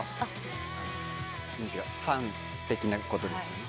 ファン的なことですよね。